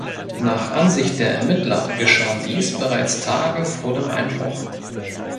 Nach Ansicht der Ermittler geschah dies bereits Tage vor dem Einbruch.